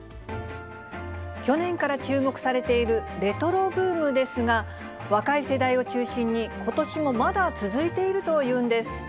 去年から注目されているレトロブームですが、若い世代を中心に、ことしもまだ続いているというんです。